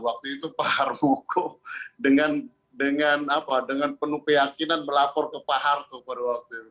waktu itu pak harmoko dengan penuh keyakinan melapor ke pak harto pada waktu itu